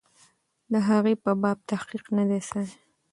د هغې په باب تحقیق نه دی سوی.